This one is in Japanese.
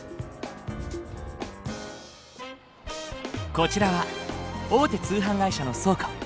こちらは大手通販会社の倉庫。